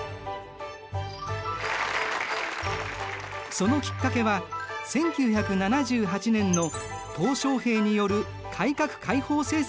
そのきっかけは１９７８年の小平による改革開放政策だった。